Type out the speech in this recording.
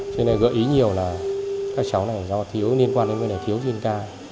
cho nên gợi ý nhiều là các cháu này do thiếu liên quan đến vitamin k